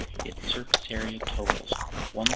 Its surface area totals 1,011.